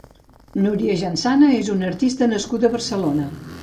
Núria Jansana és una artista nascuda a Barcelona.